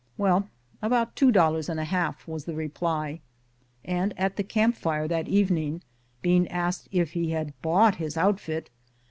"Well, about two dollars and a half," was the reply ; and at the camp fire that evening, being asked if he had bought his outfit.